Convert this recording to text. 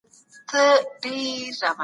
هغې د صبر او زغم لاره غوره کړې وه.